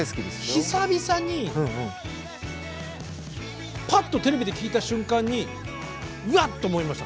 久々にぱっとテレビで聴いた瞬間にうわっと思いました